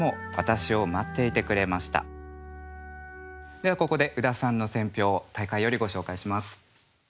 ではここで宇多さんの選評を大会よりご紹介します。